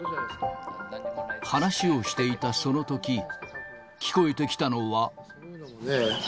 話をしていたそのとき、聞こえてきたのは。